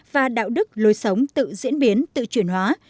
và đạo đức lối sống tự diễn biến tự chuyển hóa